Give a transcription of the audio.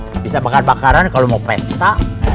gak bisa bakar bakaran kalau mau pesta